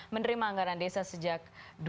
menerima anggaran desa sejak